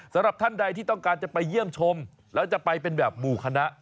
สำหรับท่านใดที่ต้องการจะไปเยี่ยมชมแล้วจะไปเป็นแบบหมู่คณะ